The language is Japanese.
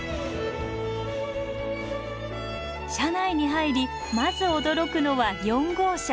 車内に入りまず驚くのは４号車。